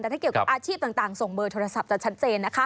แต่ถ้าเกี่ยวกับอาชีพต่างส่งเบอร์โทรศัพท์จะชัดเจนนะคะ